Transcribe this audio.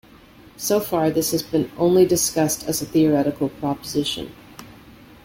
So far this has been only discussed as a theoretical proposition.